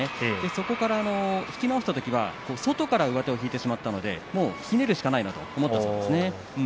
そこから引き直した時は外から上手を引いてしまったので攻めるしかないなと思ったそうです。